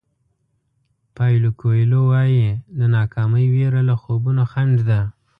پایلو کویلو وایي د ناکامۍ وېره له خوبونو خنډ ده.